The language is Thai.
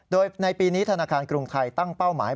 โดยในปีนี้ธนาคารกรุงไทยตั้งเป้าหมาย